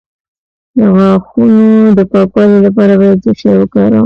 د غاښونو د پاکوالي لپاره باید څه شی وکاروم؟